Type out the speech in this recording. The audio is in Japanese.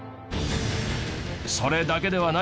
それだけではない。